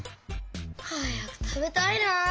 はやくたべたいなあ。